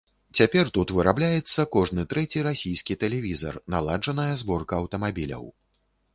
Цяпер тут вырабляецца кожны трэці расійскі тэлевізар, наладжаная зборка аўтамабіляў.